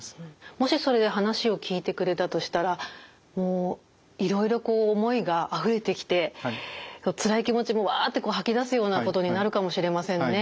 もしそれで話を聞いてくれたとしたらもういろいろこう思いがあふれてきてつらい気持ちもわってこう吐き出すようなことになるかもしれませんね。